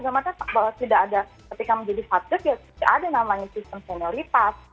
karena kita tahu bahwa tidak ada ketika menjadi subject ya tidak ada namanya sistem senioritas